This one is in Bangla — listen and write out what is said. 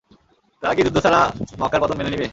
তারা কি যুদ্ধ ছাড়া মক্কার পতন মেনে নিবে?